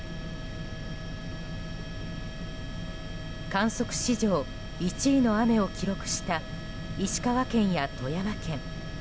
観測史上１位の雨を記録した石川県や富山県。